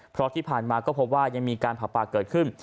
เพราะที่ผ่านมาก็พบว่ายังมีการเผาปลาเกิดขึ้น